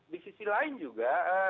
di sisi lain juga